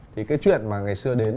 thì cái chuyện mà ngày xưa đến